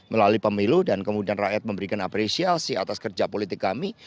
melalui pemilu dan kemudian rakyat memberikan apresiasi atas kerja politik kami